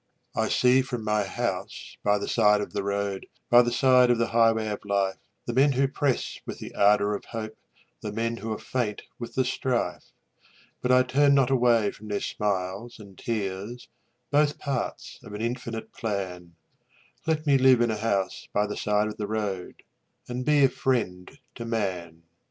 I see from my house by the side of the road By the side of the highway of life, The men who press with the ardor of hope, The men who are faint with the strife, But I turn not away from their smiles and tears, Both parts of an infinite plan Let me live in a house by the side of the road And be a friend to man.